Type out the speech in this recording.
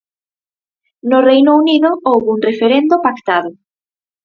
No Reino Unido houbo un referendo pactado.